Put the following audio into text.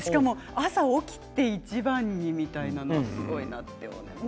朝起きていちばんにみたいなのってすごいなと思いますね。